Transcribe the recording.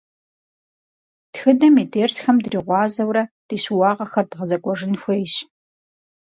Тхыдэм и дерсхэм дригъуазэурэ ди щыуагъэхэр дгъэзэкӏуэжын хуейщ.